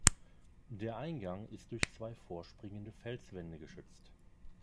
Der Eingang ist durch zwei vorspringende Felswände geschützt.